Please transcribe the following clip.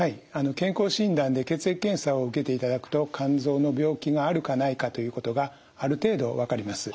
健康診断で血液検査を受けていただくと肝臓の病気があるかないかということがある程度分かります。